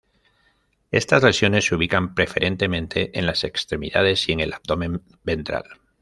Estas lesiones se ubican preferentemente en las extremidades y en el abdomen ventral.